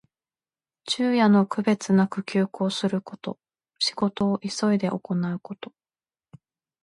昼夜の区別なく急行すること。仕事を急いで行うこと。